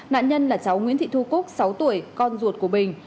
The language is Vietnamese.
nạn nhân là cháu nguyễn thị thu cúc sáu tuổi con ruột của bình